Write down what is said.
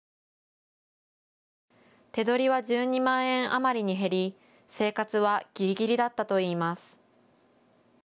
手取りは１２万円余りに減り生活はぎりぎりだったといいます。